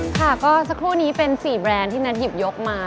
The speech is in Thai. ค่ะก็สักครู่นี้เป็น๔แบรนด์ที่นัทหยิบยกมา